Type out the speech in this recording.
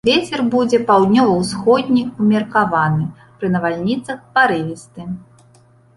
Вецер будзе паўднёва-ўсходні ўмеркаваны, пры навальніцах парывісты.